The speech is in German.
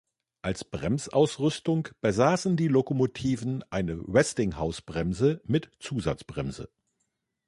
Als Bremsausrüstung besaßen die Lokomotiven eine Westinghousebremse mit Zusatzbremse.